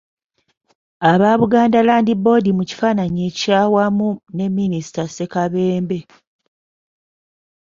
Aba Buganda Land Board mu kifaananyi ekyawamu ne Minisita Ssekabembe.